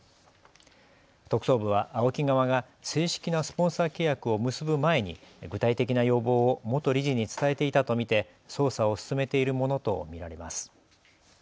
特捜部はＡＯＫＩ側が正式なスポンサー契約を結ぶ前に具体的な要望を元理事に伝えていたと見て捜査を進めているものと見られます。